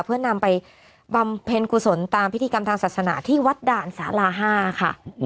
เพื่อนำไปบำเพ็ญกุศลตามพิธีกรรมทางศาสนาที่วัดด่านสารา๕ค่ะ